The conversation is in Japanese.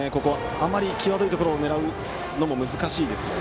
あまり際どいところを狙うのも難しいですね。